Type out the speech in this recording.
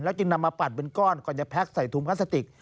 แล้วจึงนำมาปัดเป็นก้อนก่อนอย่าแพ็กใส่ถุงพันสติก